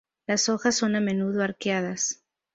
Las hojas son a menudo arqueadas.